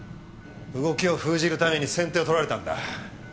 動きを封じるために先手を取られたんだ。